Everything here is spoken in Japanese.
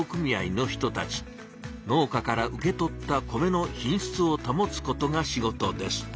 農家から受け取った米の品しつをたもつことが仕事です。